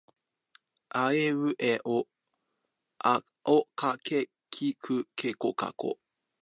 あえいうえおあおかけきくけこかこ